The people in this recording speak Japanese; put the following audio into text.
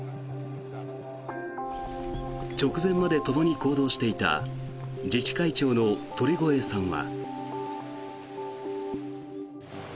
直前までともに行動していた自治会長の鳥越さんは。